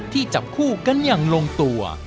จับคู่กันอย่างลงตัว